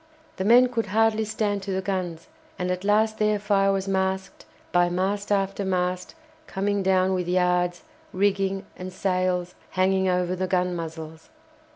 The men could hardly stand to the guns, and at last their fire was masked by mast after mast coming down with yards, rigging and sails hanging over the gun muzzles.